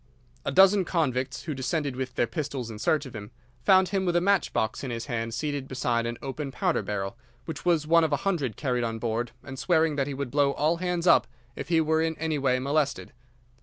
"'A dozen convicts, who descended with their pistols in search of him, found him with a match box in his hand seated beside an open powder barrel, which was one of a hundred carried on board, and swearing that he would blow all hands up if he were in any way molested.